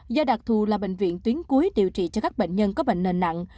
do đặc thù là bệnh viện tuyến cuối điều trị cho các bệnh nhân có bệnh nền nặng